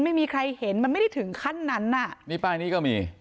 ไม่มีใครเห็นมันไม่ได้ถึงขั้นนั้นน่ะนี่ป้ายนี้ก็มี